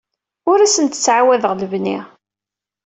Ur asent-ttɛawadeɣ lebni.